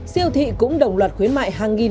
siêu thị cũng đồng loạt khuyến mại hàng nghìn